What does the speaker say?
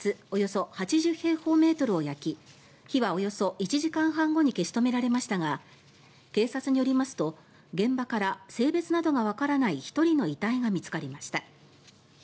およそ８０平方メートルを焼き火はおよそ１時間半後に消し止められましたが警察によりますと現場から性別などがわからない１人の遺体が見つかりました。